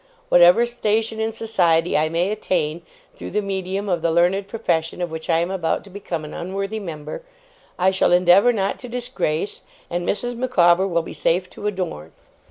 Whatever station in society I may attain, through the medium of the learned profession of which I am about to become an unworthy member, I shall endeavour not to disgrace, and Mrs. Micawber will be safe to adorn.